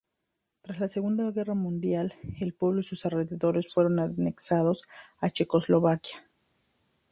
Tras la Segunda Guerra Mundial el pueblo y sus alrededores fueron anexados a Checoslovaquia.